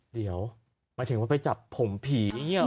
เดี๋ยวหมายถึงว่าไปจับผมผีอย่างนี้หรอ